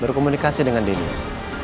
berkomunikasi dengan dennis